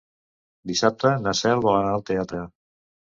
Dissabte na Cel vol anar al teatre.